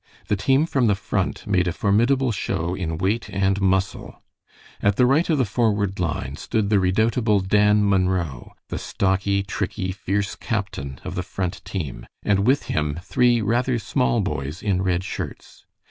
The team from the Front made a formidable show in weight and muscle. At the right of the forward line stood the redoubtable Dan Munro, the stocky, tricky, fierce captain of the Front team, and with him three rather small boys in red shirts.